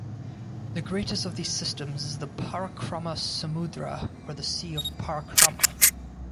The greatest of these systems is the Parakrama Samudra or the Sea of Parakrama.